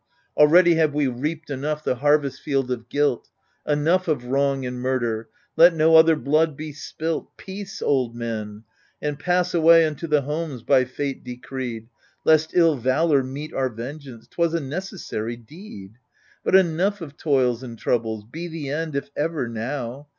Already have we reaped enough the harvest field of guilt : Enough of wrong and murder, let no other blood be spilt. Peace, old men ! and pass away unto the homes by Fate decreed. Lest ill valour meet our vengeance — 'twas a neces sary deed. But enough of toils and troubles — ^be the end, if ever, now.